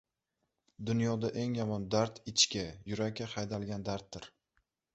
Dunyoda eng yomon dard ichga, yurakka haydalgan darddir.